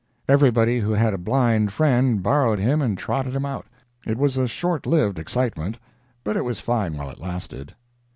Everybody who had a blind friend borrowed him and trotted him out. It was a short lived excitement, but it was fine while it lasted.